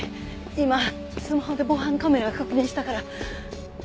今スマホで防犯カメラ確認したから。